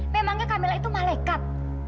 memangnya camilla itu malekat